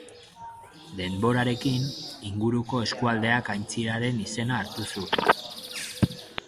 Denborarekin, inguruko eskualdeak aintziraren izena hartu zuen.